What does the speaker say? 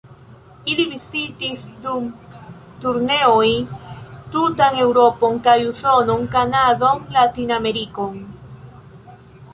Ili vizitis dum turneoj tutan Eŭropon kaj Usonon, Kanadon, Latin-Amerikon.